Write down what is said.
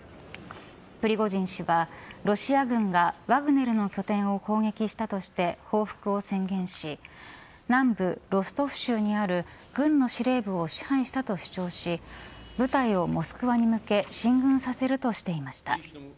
プリゴジン氏はロシア軍がワグネルの拠点を攻撃したとして報復を宣言し南部ロストフ州にある軍の司令部を支配したと主張し部隊をモスクワに向け進軍させるとしていました。